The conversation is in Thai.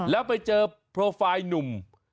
แล้วไปเจอโปรไฟล์หนุ่ม